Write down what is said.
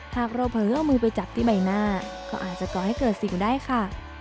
หากเราเผลอเอามือไปจับที่ใบหน้าก็อาจจะก่อให้เกิดสิ่งได้ค่ะ